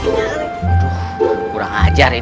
penyerbuan ke penjajaran